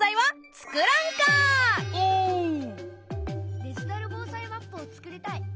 「デジタル防災マップをつくりたい！」。